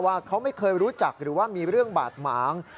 ว่าเขาไม่เคยรู้จักหรือว่ามีเรื่องบาดหมาง